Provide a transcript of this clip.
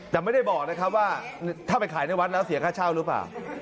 แต่ไม่ได้บอกนะครับว่าถ้าไปขายในวัดแล้วเสียค่าเช่าหรือเปล่า